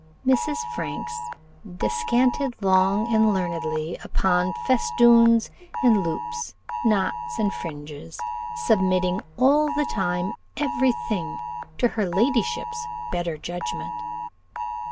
Mrs. Franks descanted long and learnedly upon festoons and loops, knots and fringes, submitting all the time every thing to her ladyship's better judgment.